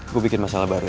gue bikin masalah baru ya